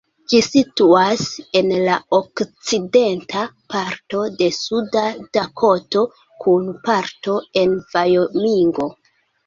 Ĝi situas en la okcidenta parto de Suda Dakoto, kun parto en Vajomingo.